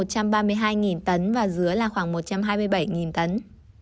cam một trăm ba mươi hai tấn và dứa khoảng một trăm hai mươi bảy tấn